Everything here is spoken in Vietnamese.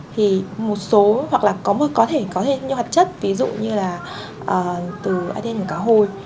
thì một số hoặc là có thể như hoạt chất ví dụ như là từ aden và cá hồi